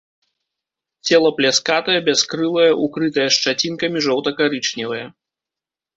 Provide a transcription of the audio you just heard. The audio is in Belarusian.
Цела пляскатае, бяскрылае, укрытае шчацінкамі, жоўта-карычневае.